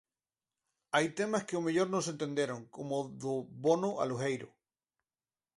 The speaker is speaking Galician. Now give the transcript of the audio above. Hai temas que ao mellor non se entenderon, como o do bono alugueiro.